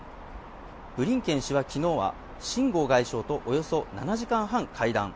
ブリンケン氏は昨日は秦剛外相とおよそ７時間半会談